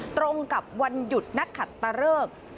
ตรงกับวันหยุดนักขัดตะเลิก